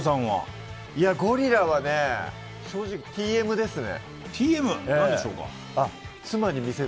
ゴリラはね正直ＴＭですね。